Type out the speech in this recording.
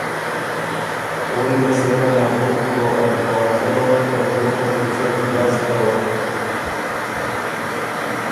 اول ګه سېره نغوک او ا دروازه له په زوټه پېڅه ګړز دَوَک